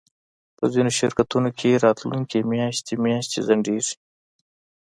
په ځینو شرکتونو کې راتلونکی میاشتې میاشتې ځنډیږي